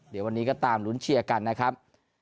เดี๋ยววันนี้ก็ตามลุ้นเชียร์กันนะครับ